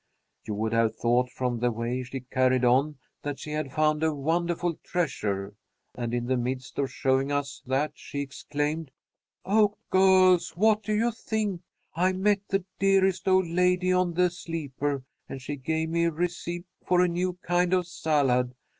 You would have thought from the way she carried on that she had found a wonderful treasure. And in the midst of showing us that she exclaimed: "'Oh, girls, what do you think? I met the dearest old lady on the sleeper, and she gave me a receipt for a new kind of salad.